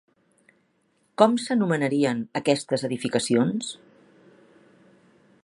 Com s'anomenarien aquestes edificacions?